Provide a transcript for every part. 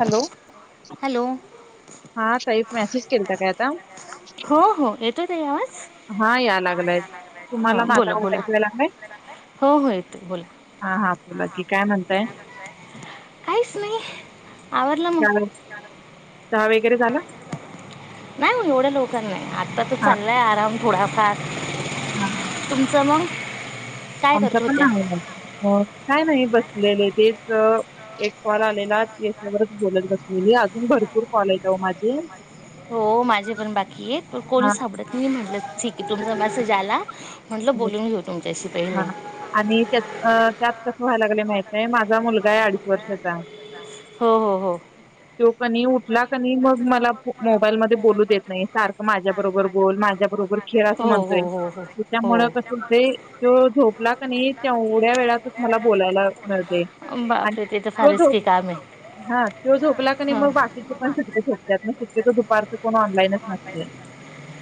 Hello हा Sai message केल काय आता? हा या लागलंय. तुम्हाला माझा आवाज ऐकू याय लागलंय? हा, हा बोला की. काय म्हणताय? हो. [unintelligible] नाय मग एवढ्या लवकर [unintelligible] आता तर चाललय आराम. थोडाफार तुमचं मग? आमचा पण आहे ना हो. ‌ काय नाही. बसलेले तेच एक कॉल आलेला याच्यावरच बोलत बसलेली. अजून भरपूर कॉल आहेत ओ माझे. हो माझे पण बाकी आहेत. पण कोणी सापडत नाही म्हटलं ठीक आहे तुमचा मेसेज आला. हा आणि त्यात अ त्या कसं व्हायला लागलं माहितेय माझा मुलगा आहे अडीच वर्षाचा हो, हो, हो. उठला की नई मग मला मोबाईलमध्ये बोलू देत नाही सारखं माझ्या बरोबर बोल, माझ्या बरोबर खेळ असं म्हणतोय. त्याच्यामुळ कसं होतंय तो झोपला क नाही तेवढ्या वेळातच मला बोलायला मिळतंय. आणि मग तो झोपला की नई मग बाकीच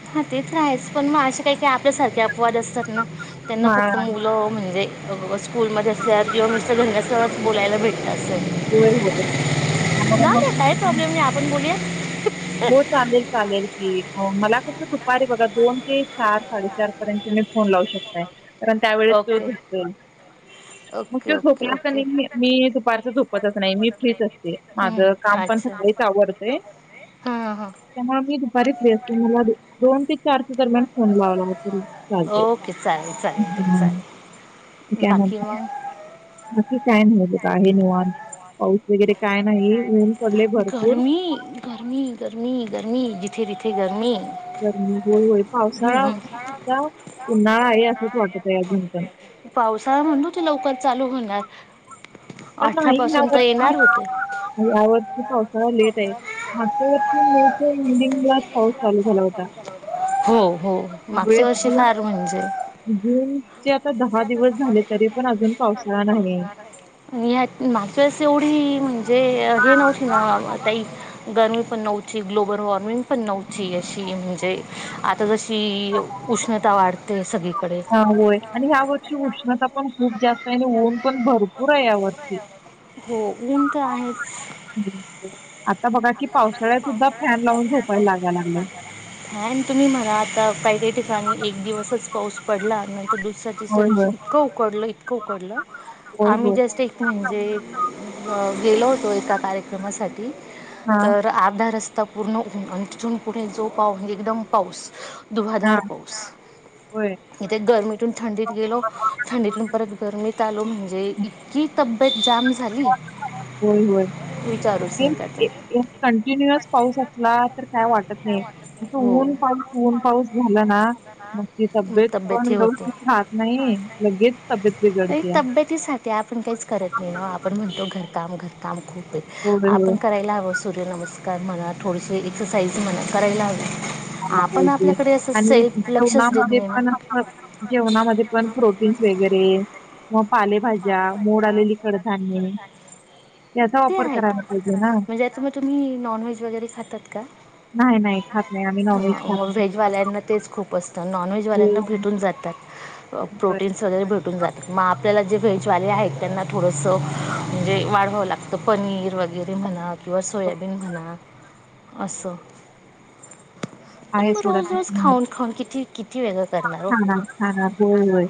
हा ते तर आहेच पण मग असे काही की आपल्यासारख्या अपवाद असतात ना त्यांना फक्त मुलं म्हणजे [unintelligible] स्कूलमध्ये [unintelligible] बोलायला भेटत अस हाय. होय, होय. नाही, नाही काही प्रॉब्लेम नाही. आपण बोलुया? हो चालेल, चालेल. मला कसं दुपारी बघा दोन ते चार साडेचार पर्यंत तुम्हीच फोन लावू शकताय. कारण त्यावेळे तो झोपतोय, मग तो झोपला क नई मी मी दुपारच झोपतच नाही. मी फ्रीच असते, माझं काम पण सकाळीच आवरतंय. त्यामुळे मी दुपारी फ्री असते. मला दोन ते चारच्या दरम्यान फोन लावला तरी चालतंय. हं. काय म्हणताय? बाकी काय नाही बघा आहे निवांत. पा वगैरे काय नाही. ऊन गर्मी, गर्मी गर्मी, गर्मी जिथे जिथे गर्मी. गर्मी होय. पावसाळा असुन सुद्धा उन्हाळा आहे असंच वाट अजून पण पावसाळा म्हण तू त लवकर चालू होणार पण नाही यावरती यावरती पा लेट आहे मावरती इंडिंग्लास हाऊस चालू झाला होता हो हो मागच्या वर्षी फार म्हणजे आता दहा दिवस झाले तरी पण अजून पाऊस ह नाही आणि मागस एवढी म्हणजे हे नव्हती ना ताई गर्मी पण नव्हती, ग्लोबल वॉर्मिंग पण नव्हती अशी म्हणजे आता जशी- ची उष्णता वाढते ते सगळे हा होय आणि ह्या गोष्टी ता पण खूप जास्त आहे आणि ऊन पण भरपूर आहे यावरती हो ऊन तर आहेच तुम्ही मला आता काहीकाही ठिकाणी एक दिवसच पाऊस पडला नाही तर दुधसाच तीस इतकं उकडलं इतकं उकडलं आम्ही जस्ट एक म्हणजे गेलो होतो एका कार्यक्रमासाठी तर आधा रस्त आता पूर्ण ऊन आणि ति तून पुढे जो पाव म्हणजे एकदम पाऊस धुव्वाधार पाऊस इथे गर्मीतून थंडीत गेलो थंडीतून परत गरमी तालू म्हणजे इतकी तब् जाम झाली विचारूच नका तूम्ही कंटिन्युअस पाऊस असला तर काय वाटत नाही असं ऊन पाऊस ऊन पाऊस झाला ना मग त तब्येत पण व्यवस्थित राहत नाही लगेच तब्येत बिघडते आपण म्हणतो घरकाम घरकाम खूप, आपण करायला हवं नमस्कार मला थोडीसे एक्सरसाइज म्हणा करायला हवी पाहिजे आणि जेवणामध्ये पण जेवणामध्ये पण प्रोटीन्स वगैरे ह ते आहेत म्हणजे आता मग तुम्ही नॉनव्हेज वगैरे खातात का? हा मग व्हेजवाल्यांना तेच खूप असतं नॉनव्हेजवाल्यांना भेटून जातात प्रोटीन्स वगैरे भेटून जाते माप त्याला जे व्हेजवाले आहेत त्यांना थोडंसं म्हणजे वाढवावं लागतं पनीर वगैरे म्हणा- किंवा सोयाबीन म्हणा असं आहे सोड हाना हाना होय होय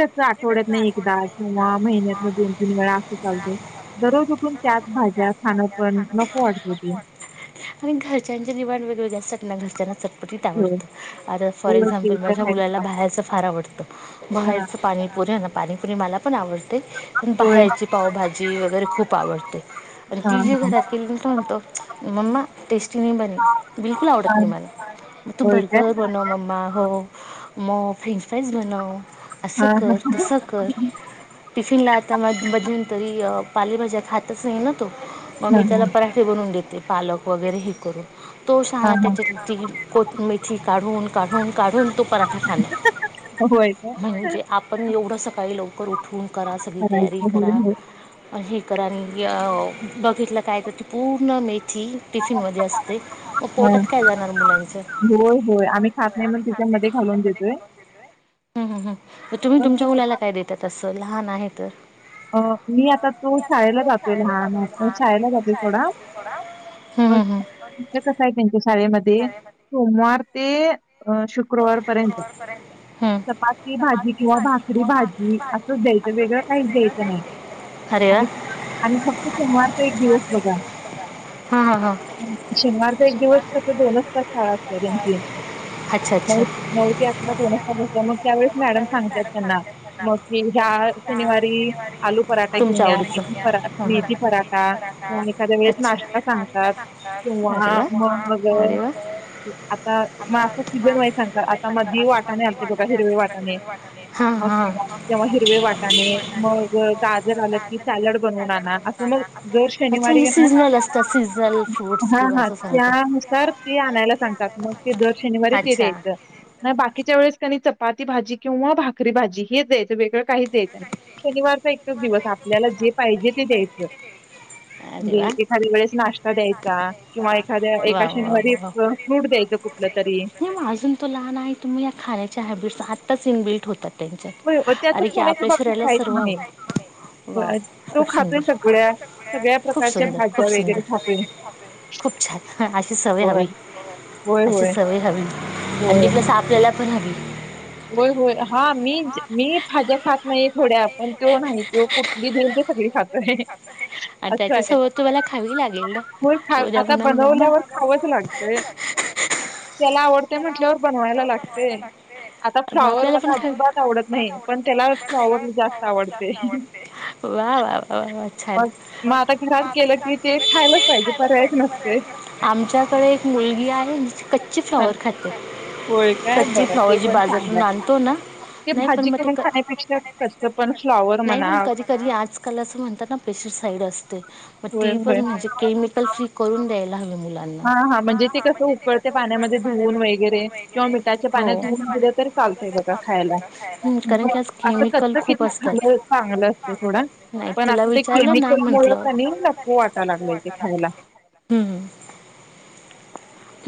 ते आठवड्यात ना एकदा किंवा महिन्यात ना दोन तीन वेळा असं चालतोय दररोज उठून त्यात भाज्या खाणं पण नको वाटत ते नगलच्यान [inaudible] तीत आवडतं आता फॉर एक्झाम्पल माझ्या मुलाला बाहेरचं फार आवडतं बाहेरचं पाणीपुरी आहे ना पाणीपुरी मला पण आवडते पण बाहेरची पावभाजी वगैरे खूप आवडते आणि ती जी घरात केली [unintelligible] मम्मा टेस्ट स्टी नाही बनी बिलकुल आवडत नाही मला म तू बर्गर बनव मम्मा हो म फ्रिंक फ्राज बनव असं कर तस कर टिफिनला आता म मधू तरी पालेभाज्या खातच नाही ना तो मग मी त्याला पराठे बनवून देत ते पालक वगैरे हे करून तो शहळा त्याच्यात टी. व्ही मेथी काढून काढून काढून तो पराठा खाण म्हणजे आपण एवढं सकाळी लवकर उठून करा सगळी तयारी करा हे करा आणि बघितलं काय तर ती पूर्ण मे थी टिफिन मध्ये असते म पोटात काय जाणार मुलां हुं, हुं, हुं तुम्ही तुमच्या मुलाला काय देतात अस लहान आहे तर अ मी आता तो शाळेला जातोय लहान शाळेला जातोय सोडा कस आहे त्यांच्या शाळेमध्ये ध्ये सोम चार ते अ शुक्रवारपर्यंत चपाती भाजी किंवा भाकरी भाजी असंच द्यायचं वेगळं काही द्यायचं नाही आणि आणि फक्त शनिवारच एक दिवस बघा शनिवारच एक दिवस कस दोनच तास शाळा असत्या तेची नऊ नऊ ते अकरा दोनच तासच भरतिया मग त्यावेळेस मॅडम सांगत्यात त्यांना मग कि ह्या शनिवारी आलू पराठा घेऊण या मेथी प मेथी पराठा किंवा एखाद्या वेळेस नाश्ता सांगतात किंवा मग आता म अस दर वेळी सांगता आता मध्ये वाटाने आलते बघा हिरवे वाटाने मग तेव्हा हिरवे वाटाणे मग गाजर आलं की सॉलेड बनवून आणा अस मग दर शनिवारी हेना हा हा त्या नुसार ते आणायला सांगतात मग ते दर शनिवारी ते दयायच बाकीच्या वेळेस कणी चपाती भाजी किंवा भाकरी भाजी हेच द्यायचं वेगळं काहीच द्यायचं शनिवारी एकच दिवस आपल्याला जे पाहिजे ते द्यायचं म्हणजे एखाद्या वेळेस नाश्ता द्यायचा किंवा एखाद्या एका शनिवारी फ्रूट द्यायचं कुठलं तरी. तेच्यात आरे की आपल्या शरीराला सर्व हवं वाव! खूप सुंदर, खूप सुंदर, खूप सुंदर, खूप छान अशी सवय हवी अशी सवय हवी आणि पलस आपल्या त्या पण हवी. होय होय हा. मी ज मी भाजा खात नाही थोड्या पण त्यो नाही तो कुठली दिल ते सगळी खातोय. अस आहे, होय खा आता बनवल्यावर खावंच लागतय. त्याला आवड ते म्हटल्यावर बनवायला लागतय. आपल्याला पण खाव, वा वा वा छान आमच्याकडे एक मुलगी आहे कच्ची फ्लाॉवर खाते. होय काय बरं हाय. भाजी बाजारातून आणतोना, नाही पण म ते कधी कधी आजकाल असे म्हणतात ना पेस्ट्रीसाईड असते, म ती पण म्हणजे केमिकल फ्री करून द्यायला लहान मुल. हा हा म्हणजे ते कसं उकळते पाण्यामध्ये धुवन वगै हो, कारण की आज केमिकल खूप असतात नाय तिला विचारलं ना म्हंटलं, हम्म.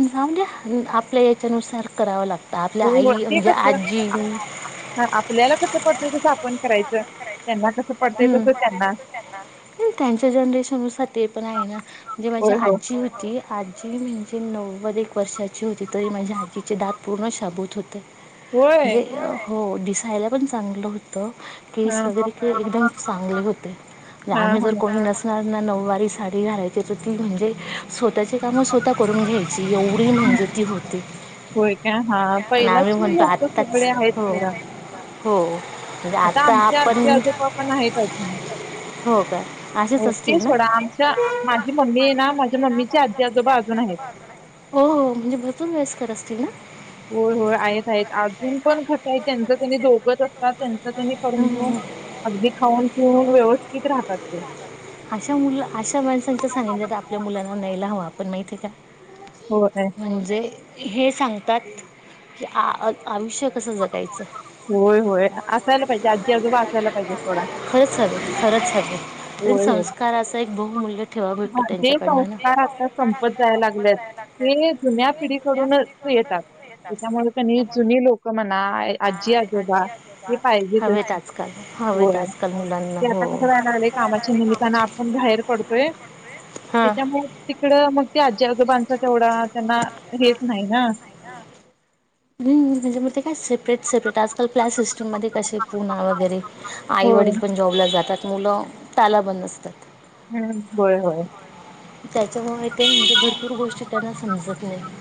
जाऊ द्या आपल्या याच्यानुसार करावं लागतं. आपल्या आई म्हणजे आजी, हम्म, त्यांच्या जनरेशन नुसार ते पण आहे ना जे माझी आजी होती. आजी ती नव्वद एक वर्षाची होती तरी माझ्या आजीचे दात पूर्ण शाबूत होते. म्हणजे हो. दिसाहायला पण चांगलं हो होत केस वगैरे एकदम चांगले होते, आम्ही जर कोनी नसणार नऊवारी साडी घालायची ती म्हणजे स्वतःची काम स्वतः करून घे. एवढी म्हणजे ती होती, आणि आम्ही म्हणतो आताच हो. हो. आता आमच्या आजी आजोबा पण आहेत अजून हो ते सोडा आमच्या माझी मम्मी आहे ना माझ्या मम्मीची आजी आजोबा हो हो म्हणजे भरपूर वयस्कर असतील ना अशा मु अशा माणसांच सानिध्यात तर आपल्या मुलांना न्यायला हव पण म ठीक आहे म्हणजे हे सांगतात की आ आयुष्य कसं जगायचं होय होय असायला पाहिजे आजी आजोबा असायला पाहिजे थोडा संस्काराच एक बहुमूल्य ठेवा भेटतो त्यांच्याकडनं जाय लाग ते जुन्या पिढीकडूनच येतात त्याच्यामुळे क जुनी लोक म्हणा आजी आजोबा हे पाहिजेच होय ते आता कस जाणार आप बार पडतोय त्याच्यामुळे तिकड ते आज आजोबांचा तेवढा त्यांना हेच नाही ना ह म्हझे मते कायेपरेट सपरेट आजकाल आपल्या सिस्टममध्ये कसे पुन वगैरे आईवडील पण जॉबला जातात मुलं ताला बंद असतात हम्म होय होय त्याच्यामुळे ते म्हणजे भरपूर गोष्टी त्यांना समजत नाही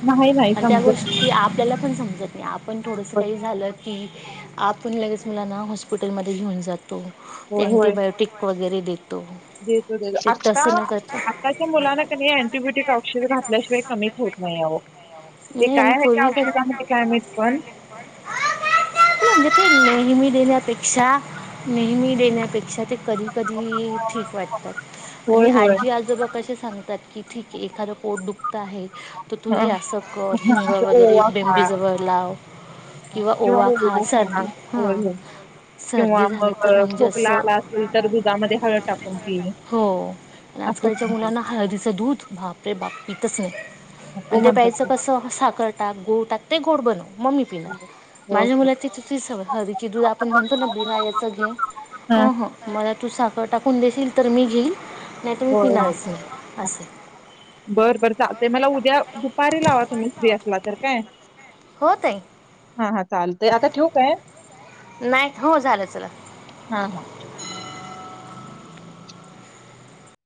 आणि त्या गोष्टी आपल्याला ण समजत आप आपण थोडस काही झालं की आपण लगे मुलांना हॉस्पिटलमध्ये घेऊन जात तो ते अँटीबायोटिक वगैरे देतो देतो आता आताच्या मुलांना क अँटीबायोटिक औषध घातल्याशिवाय कमीच होत नाही यावं ते काय आहे का औषध तम के नेहमी देण्यापेक्षा नेहमी देण्यापेक्षा ते कधी कधी ठीक वाटतात आणि आजी आजोबा कसे सांगतात की ठीक आहे एखादं कोट दुखत आहे तर तू हे आसकर हिंग वगैरे ीजवळ लाव किंवा ओवा खा सर्दी ह सर्दी झाली तर म्हणजे अस आजकालच्या मुलांना हळदीच दूधपरे बा इ त स् नाही आणि ते प्यायचं कसं साखर टाक गो टाकते गोड बनव मम्मी पिला माझ्या मुला त चु स हरीची दूध आपण म्हणतो ना भिमा याचं घे मला तू साखर टाकून देशील तर मी घेईल होय बर बर चाल ते मला उद्या दुपारी लावा तुम्ही फ्री असला तर काय हो ताई. हा हा चालतय आता ठेऊ काय? नाही हो, झालं चला.